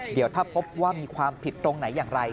เดี๋ยวถ้าพบว่ามีความผิดตรงไหนอย่างไร